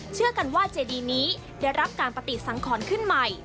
เชื่อกันว่าเจดีนี้ได้รับการปฏิสังขรขึ้นใหม่